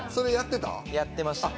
やってましたね。